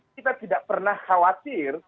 kita tidak pernah khawatir